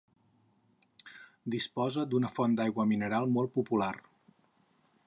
Disposa d'una font d'aigua mineral molt popular.